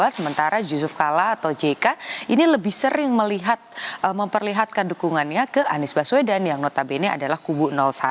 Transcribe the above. sementara yusuf kalla atau jk ini lebih sering memperlihatkan dukungannya ke anies baswedan yang notabene adalah kubu satu